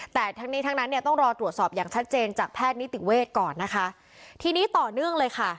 แต่ทั้งนี้ทั้งนั้นเนี่ยต้องรอตรวจสอบอย่างชัดเจนจากแพทย์นิติเวทย์ก่อนนะคะทีนี้ต่อเนื่องเลยค่ะ